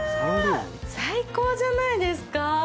最高じゃないですか。